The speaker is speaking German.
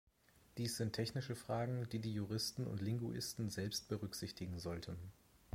Dies sind technische Fragen, die die Juristen und Linguisten selbst berücksichtigen sollten.